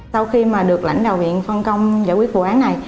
sau khi mà được lãnh đạo viện phân công giải quyết vụ án này